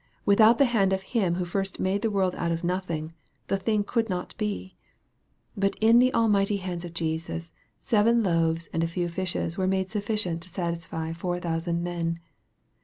Without the hand of Him who first made the world out of nothing, the thing could not be. But in the almighty hands of Jesus seven loaves and a few fishes were made sufficient to satisfy four thousand men.